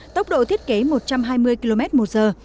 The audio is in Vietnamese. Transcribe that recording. tốc độ thiết kế một trăm hai mươi km một giờ